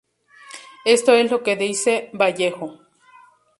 Eso es lo que dice Vallejo.